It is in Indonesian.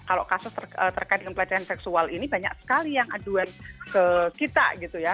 kalau kasus terkait dengan pelecehan seksual ini banyak sekali yang aduan ke kita gitu ya